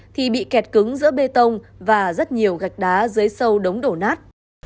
thì bị kẹt cứng giữa bê tông và rất nhiều gạch đá dưới sâu đống đổ nát